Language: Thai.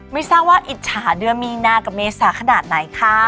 ไม่ทราบว่าอิจฉาเดือนมีนากับเมษาขนาดไหนค่ะ